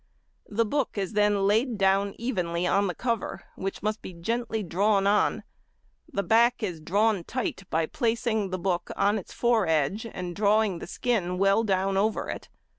The book is then laid down evenly on the cover, which must be gently drawn on; the back is drawn tight by placing the book on its foredge and drawing the skin well down over it.